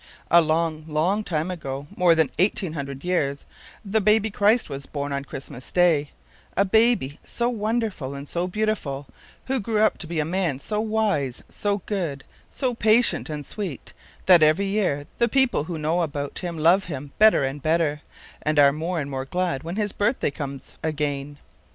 A long, long time ago—more than eighteen hundred years—the baby Christ was born on Christmas Day; a baby so wonderful and so beautiful, who grew up to be a man so wise, so good, so patient and sweet that, every year, the people who know about Him love Him better and better, and are more and more glad when His birthday comes again.